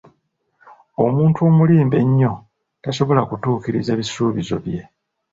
Omuntu omulimba ennyo tasobola kutuukiriza bisuubizo bye.